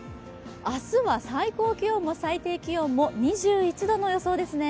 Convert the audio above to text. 明日は最高気温も最低気温も２１度の予想ですね。